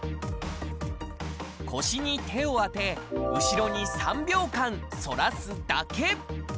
腰に手をあて、後ろに３秒間反らすだけ！